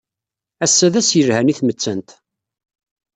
Ass-a d ass yelhan i tmettant.